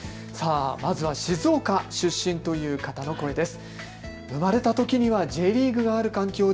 まずは静岡出身という方の声です。